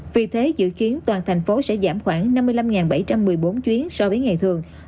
vì thế dự kiến toàn thành phố sẽ giảm khoảng năm mươi năm bảy trăm một mươi bốn chuyến so với ngày thường